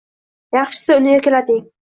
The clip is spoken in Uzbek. Yaxshisi uni erkalating.